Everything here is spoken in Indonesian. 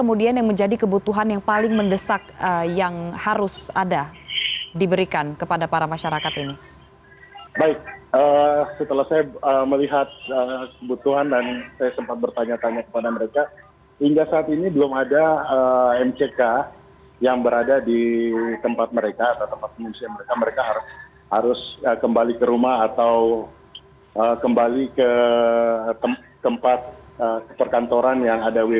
untuk para pengusaha